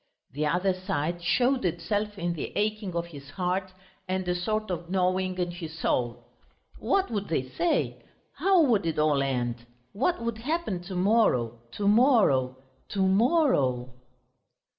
The other side showed itself in the aching of his heart, and a sort of gnawing in his soul. "What would they say? How would it all end? What would happen to morrow, to morrow, to morrow?"...